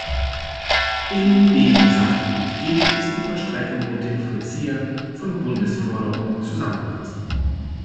In dem Sachgebiet G ist die Vollstreckung mit den Vollziehern von Bundesforderungen zusammengefasst.